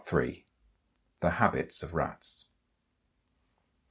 THE HABITS OF RATS.